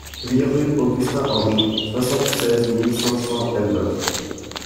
huit rue Augustin Henry, soixante-seize mille cinq cents Elbeuf